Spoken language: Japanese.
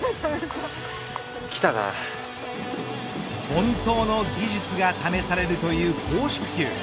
本当の技術が試されるという公式球。